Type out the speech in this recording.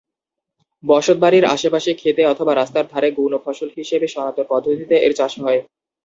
বসতবাড়ির আশেপাশে, ক্ষেতে অথবা রাস্তার ধারে গৌণ ফসল হিসেবে সনাতন পদ্ধতিতে এর চাষ হয়।